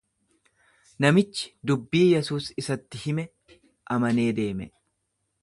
Namichi dubbii Yesuus isatti hime amanee deeme.